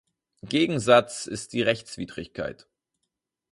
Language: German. Gegensatz ist die Rechtswidrigkeit.